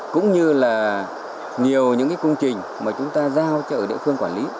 cũng như là nhiều những công trình